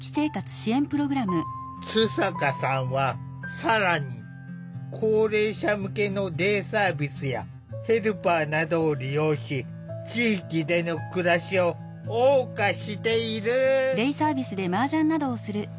津坂さんは更に高齢者向けのデイサービスやヘルパーなどを利用し地域での暮らしをおう歌している。